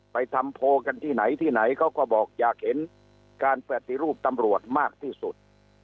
ไปทำโพลกันที่ไหนที่ไหนเขาก็บอกอยากเห็นการปฏิรูปตำรวจมากที่สุด